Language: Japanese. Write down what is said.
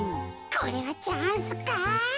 これはチャンスか？